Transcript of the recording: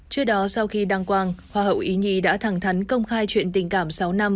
trước đó sau khi đăng quang hoa hậu ý nhi đã thẳng thắn công khai chuyện tình cảm sáu năm